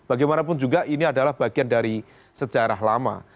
bagaimanapun juga ini adalah bagian dari sejarah lama